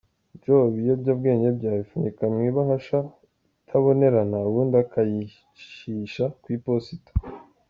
Joe ibobyabwenge bye abipfunyika mu ibahasha itabonerana ubundi akayicisha ku iposita.